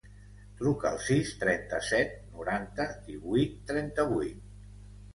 Truca al sis, trenta-set, noranta, divuit, trenta-vuit.